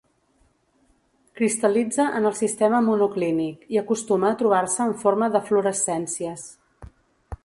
Cristal·litza en el sistema monoclínic, i acostuma a trobar-se en forma d'eflorescències.